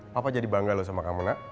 papa jadi bangga loh sama kamu nak